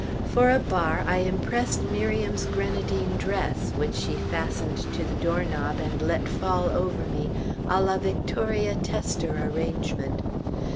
For a bar, I impressed Miriam's grenadine dress, which she fastened to the doorknob and let fall over me à la Victoria tester arrangement.